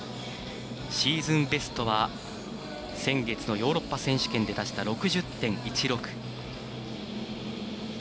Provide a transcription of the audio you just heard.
シーズンベストは先月のヨーロッパ選手権で出した６０．１６。